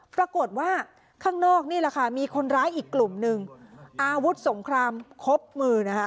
ปรากฏว่าข้างนอกนี่แหละค่ะมีคนร้ายอีกกลุ่มหนึ่งอาวุธสงครามครบมือนะคะ